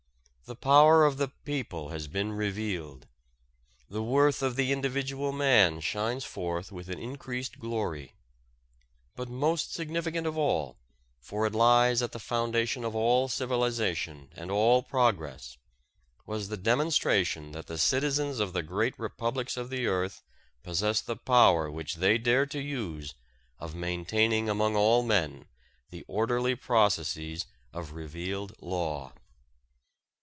The power of the people has been revealed. The worth of the individual man shines forth with an increased glory. But most significant of all, for it lies at the foundation of all civilization and all progress, was the demonstration that the citizens of the great republics of the earth possess the power which they dare to use, of maintaining among all men the orderly processes of revealed law.